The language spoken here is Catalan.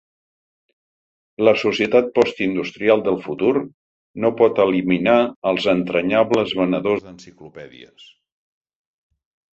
La societat postindustrial del futur no pot eliminar els entranyables venedors d'enciclopèdies.